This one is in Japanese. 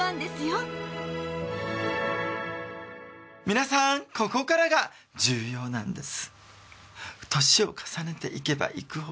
皆さんここからが重要なんです。